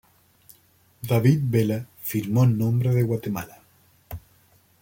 David Vela firmó en nombre de Guatemala.